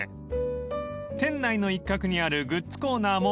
［店内の一角にあるグッズコーナーも充実］